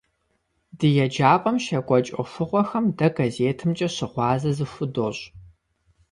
Ди еджапӏэм щекӏуэкӏ ӏуэхугъуэхэм дэ газетымкӏэ щыгъуазэ зыхудощӏ.